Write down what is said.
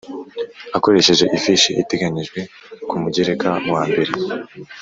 akoresheje ifishi iteganyijwe ku Mugereka wa mbere.